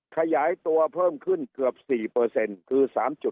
ขยายตัวเพิ่มขึ้นเกือบ๔คือ๓๕